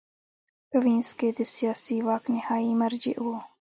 په وینز کې د سیاسي واک نهايي مرجع وه